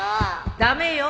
駄目よ。